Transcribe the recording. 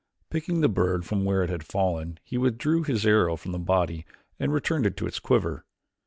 Picking the bird from where it had fallen he withdrew his arrow from the body and returned it to his quiver.